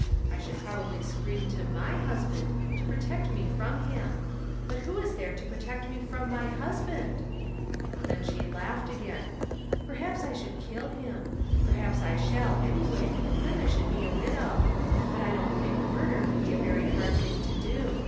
I should probably scream to my husband to protect me from him ; but who is there to protect me from my husband ?^^ Then she laughed again. *' Perhaps I should kill him; perhaps I shall anyway , then I should be a widow. I don't think murder would be a very hard thing to do.